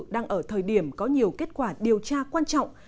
đang ở thời điểm có nhiều kết quả điều tra quan trọng